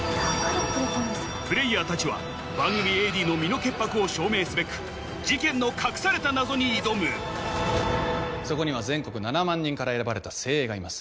プレーヤーたちは番組ＡＤの身の潔白を証明すべく事件の隠された謎に挑むそこには全国７万人から選ばれた精鋭がいます。